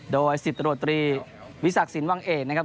โดยสิทธิ์ตรวจตรีวิสักศิลป์วางเอกนะครับ